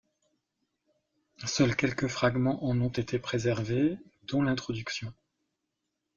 Seuls quelques fragments en ont été préservés, dont l'introduction.